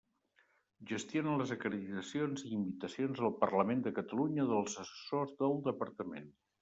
Gestiona les acreditacions i invitacions al Parlament de Catalunya dels assessors del Departament.